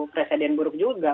presiden buruk juga